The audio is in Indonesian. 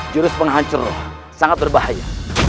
jurus penghancur sangat berbahaya